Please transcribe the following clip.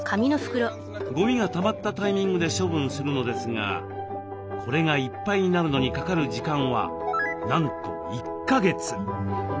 ゴミがたまったタイミングで処分するのですがこれがいっぱいになるのにかかる時間はなんと１か月。